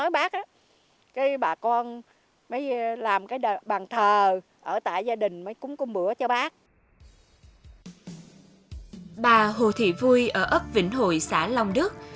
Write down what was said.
bà hồ thị vui ở ấp vĩnh hội xã long đức